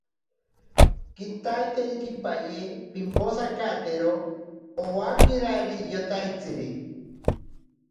Kitaiterikipaye pimposaktero owakirari iyotaitsiri.